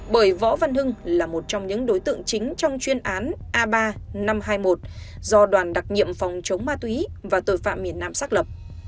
bởi võ văn hưng là một trong những đối tượng chính trong chuyên án a ba năm trăm hai mươi một do đoàn đặc nhiệm phòng chống ma túy và tội phạm miền nam xác lập